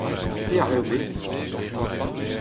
Pelec'h eo bet ?